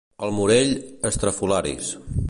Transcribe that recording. Al Morell, estrafolaris.